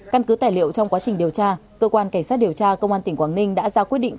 căn cứ tài liệu trong quá trình điều tra cơ quan cảnh sát điều tra công an tỉnh quảng ninh đã ra quyết định